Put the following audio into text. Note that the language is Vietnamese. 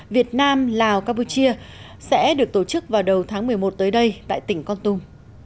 việt nam lào campuchia sẽ được tổ chức vào đầu tháng một mươi một tới đây tại tỉnh con tum